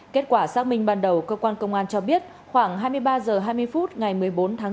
kết quả xác minh ban đầu cơ quan công an cho biết khoảng hai mươi ba h hai mươi phút ngày một mươi bốn tháng sáu